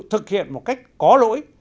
thực hiện một cách có lỗi